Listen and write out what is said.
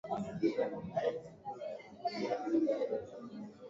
Nguvu ya kusogeza maji mtoni ni uvutano wa dunia